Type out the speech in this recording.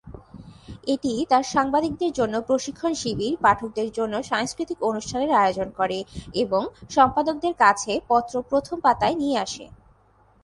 এটি তার সাংবাদিকদের জন্য প্রশিক্ষণ শিবির, পাঠকদের জন্য সাংস্কৃতিক অনুষ্ঠানের আয়োজন করে এবং সম্পাদকদের কাছে পত্র প্রথম পাতায় নিয়ে আসে।